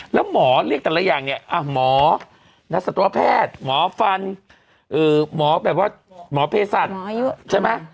แล้วหมอเรียกแต่ละอย่างเนี่ยหมอนักสัตวแพทย์หมอฟันหมอแบบว่าหมอเพศัตริย์ใช่ไหม